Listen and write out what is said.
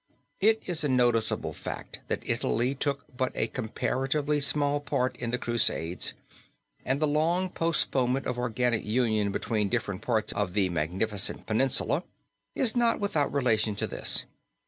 It is a noticeable fact that Italy took but a comparatively small part in the Crusades; and the long postponement of organic union between different parts of the magnificent peninsula is not without relation to this.